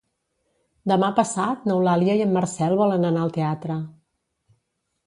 Demà passat n'Eulàlia i en Marcel volen anar al teatre.